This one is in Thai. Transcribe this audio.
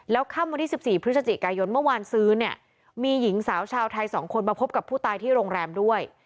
แล้วข้ามวันที่๑๔พศกายยนต์เมื่อวานซื้อมีหญิงสาวชาวไทย๒คนมาพบกับผู้ตายที่โรงแรมด้วย